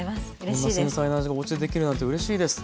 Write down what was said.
こんな繊細な味がおうちでできるなんてうれしいです。